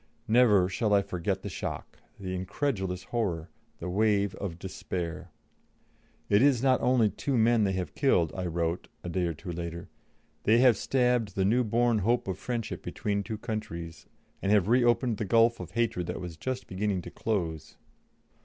Never shall I forget the shock, the incredulous horror, the wave of despair. "It is not only two men they have killed," I wrote, a day or two later; "they have stabbed the new born hope of friendship between two countries, and have reopened the gulf of hatred that was just beginning to close."